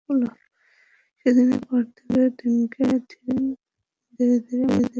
সেদিনের পর থেকে দিনকে দিন ধীরে ধীরে মারা যাচ্ছি আমি।